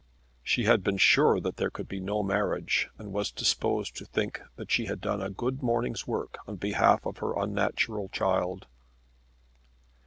She had been sure that there could be no marriage, and was disposed to think that she had done a good morning's work on behalf of her unnatural child.